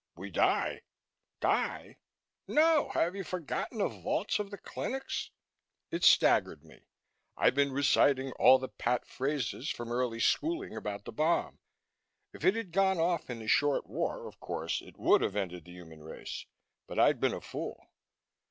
"We die!" "Die? No! Have you forgotten the vaults of the clinics?" It staggered me. I'd been reciting all the pat phrases from early schooling about the bomb! If it had gone off in the Short War, of course, it would have ended the human race! But I'd been a fool.